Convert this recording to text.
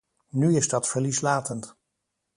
Nu is dat verlieslatend.